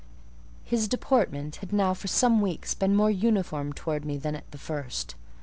His deportment had now for some weeks been more uniform towards me than at the first.